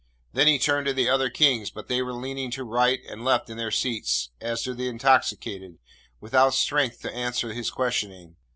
Then he turned to the other Kings, but they were leaning to right and left in their seats, as do the intoxicated, without strength to answer his questioning.